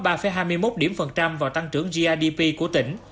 các doanh nghiệp có một mươi một điểm phần trăm vào tăng trưởng grdp của tỉnh